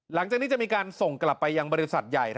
หลังจากนี้จะมีการส่งกลับไปยังบริษัทใหญ่